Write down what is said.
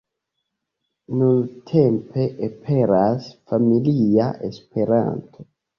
Nuntempe aperas "Familia Esperanto".